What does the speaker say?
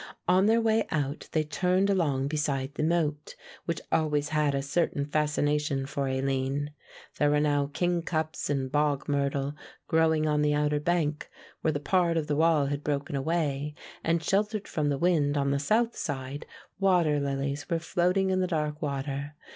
On their way out they turned along beside the moat, which always had a certain fascination for Aline. There were now king cups and bog myrtle growing on the outer bank, where the part of the wall had broken away, and sheltered from the wind on the south side, water lilies were floating in the dark water.